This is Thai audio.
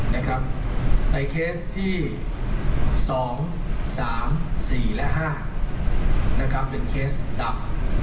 ในเคสที่๒๓๔และ๕เป็นเคสดำ